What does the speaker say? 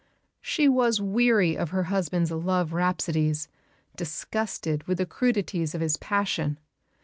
She was weary of her husband's love rhapsodies, disgusted with the crudities of his passion.